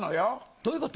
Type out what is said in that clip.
どういうこと？